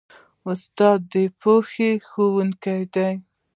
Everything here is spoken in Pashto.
استاد د پوهې ښوونکی دی.